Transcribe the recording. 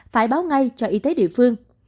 phải báo ngay cho y tế địa phương